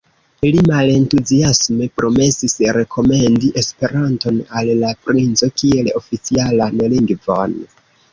Li malentuziasme promesis rekomendi Esperanton al la princo kiel oficialan lingvon.